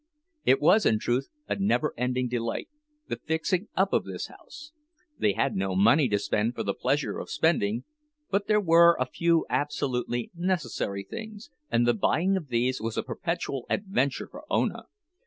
It was in truth a never ending delight, the fixing up of this house. They had no money to spend for the pleasure of spending, but there were a few absolutely necessary things, and the buying of these was a perpetual adventure for Ona.